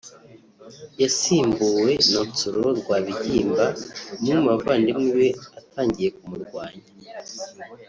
yasimbuwe na Nsoro Rwabigimba umwe mu bavandimwe be atangiye kumurwanya